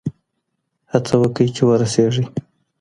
هڅه وکړئ چي ورسېږئ.